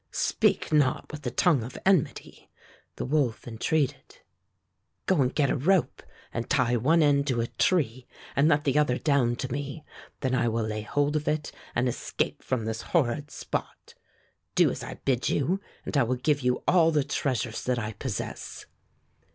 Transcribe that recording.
"Speak not with the tongue of enmity," the wolf entreated. " Go and get a rope and 154 Fairy Tale Foxes tie one end to a tree and let the other end down to me. Then I will lay hold of it and escape from this horrid spot. Do as I bid you and I will give you all the treasures that I possess."